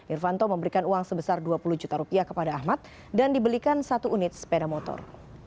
irfanto memberikan uang sebesar dua puluh juta rupiah kepada ahmad dan dibelikan satu unit sepeda motor